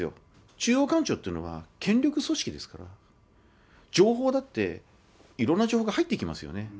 中央官庁っていうのは、権力組織ですから、情報だって、いろんな情報が入ってきますよね。